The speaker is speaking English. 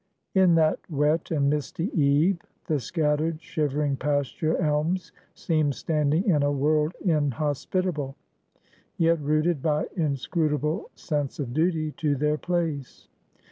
In that wet and misty eve the scattered, shivering pasture elms seemed standing in a world inhospitable, yet rooted by inscrutable sense of duty to their place.